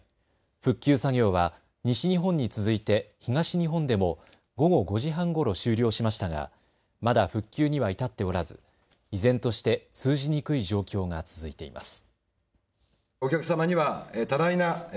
復旧作業は西日本に続いて東日本でも午後５時半ごろ終了しましたが、まだ復旧には至っておらず依然として通じにくい状況が続いています。